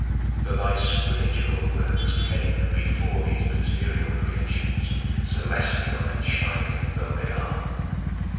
For thy spiritual works came before these material creations, celestial and shining though they are.